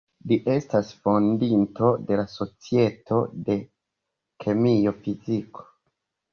Li estas fondinto de la Societo de kemio-fiziko.